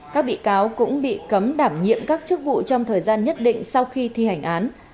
các bị cáo cũng bị cấm đảm nhiệm các chức vụ trong thời gian nhất định sau khi thi hành án